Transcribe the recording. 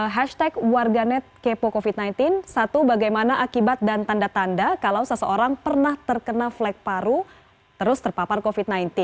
hashtag warganet kepo covid sembilan belas satu bagaimana akibat dan tanda tanda kalau seseorang pernah terkena flag paru terus terpapar covid sembilan belas